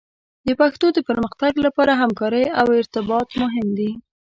د پښتو د پرمختګ لپاره همکارۍ او ارتباط مهم دي.